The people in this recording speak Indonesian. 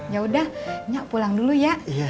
yaudah nyak pulang dulu ya